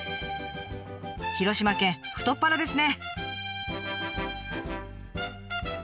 広島県太っ腹ですね！